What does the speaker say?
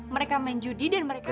mereka main judi dan mereka